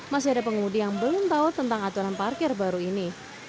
masih ada pengemudi yang belum tahu tentang aturan parkir baru ini